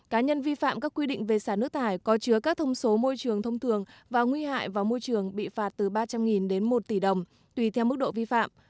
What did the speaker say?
cá nhân vi phạm các quy định về xả nước thải có chứa các thông số môi trường thông thường và nguy hại vào môi trường bị phạt từ ba trăm linh đến một tỷ đồng tùy theo mức độ vi phạm